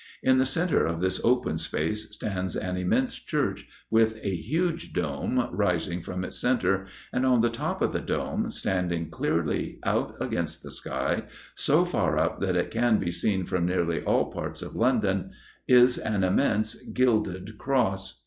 In the centre of this open space stands an immense church, with a huge dome rising from its centre, and on the top of the dome, standing clearly out against the sky, so far up that it can be seen from nearly all parts of London, is an immense gilded cross.